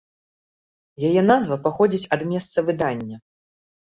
Яе назва паходзіць ад месца выдання.